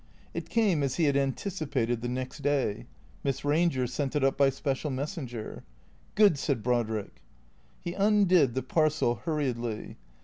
It came as he had anticipated the next day. Miss Ranger sent it up by special messenger. " Good !" said Brodrick. He undid the parcel hurriedly.